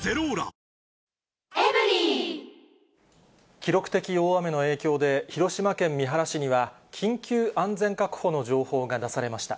記録的大雨の影響で、広島県三原市には、緊急安全確保の情報が出されました。